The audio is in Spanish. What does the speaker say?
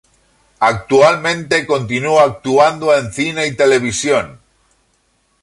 Actualmente continúa actuando en cine y televisión.